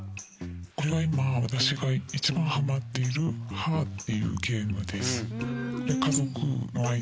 これは今私が一番ハマっている「はぁって言うゲーム」です。